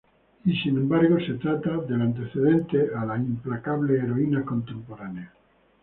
Y sin embargo, se trata del antecedente a las implacables heroínas contemporáneas.